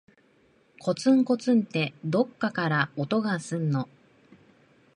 こつんこつんって、どっかから音がすんの。